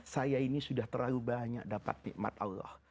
saya ini sudah terlalu banyak dapat nikmat allah